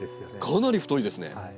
かなり太いですね。